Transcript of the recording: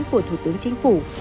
của thủ tướng chính phủ